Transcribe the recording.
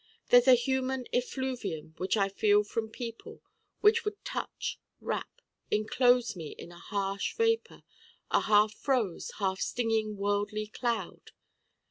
There's a human effluvium which I feel from people which would touch, wrap, enclose me in a harsh vapor a half froze, half stinging worldly cloud.